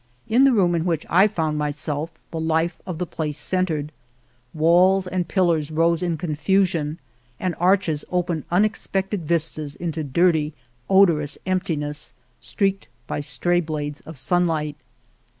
In the room in which I found myself the life of the place centred. Walls and pillars rose in confusion and arches opened unexpected vistas into dirty, odorous emptiness, streaked by stray blades of sunlight.